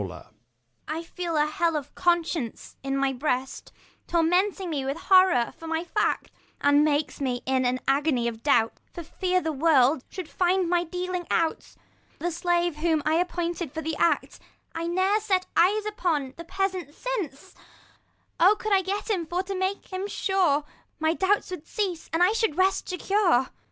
(Z5 Ragan. I feel a hell of conscience in my breast, Tormenting me with horror for my fact, And makes me in an agony of doubt, For fear the world should find my dealing out. The slave whom I appointed for the act, 5 I ne'er set eye upon the peasant since : Oh, could I get him for to make him sure, My doubts would cease, and I should rest secure.